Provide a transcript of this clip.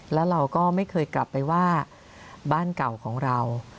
แล้วเราก็ไม่เคยกลับไปว่าบ้านเก่าของเรา